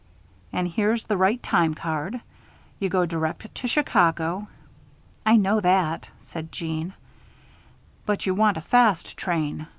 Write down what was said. "And here's the right time card. You go direct to Chicago " "I know that," said Jeanne. "But you want a fast train.